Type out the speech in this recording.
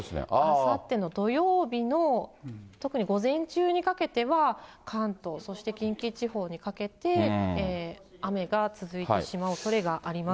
あさっての土曜日の、特に午前中にかけては、関東、そして近畿地方にかけて、雨が続いてしまうおそれがあります。